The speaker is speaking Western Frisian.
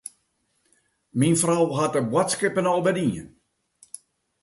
Myn frou hat de boadskippen al wer dien.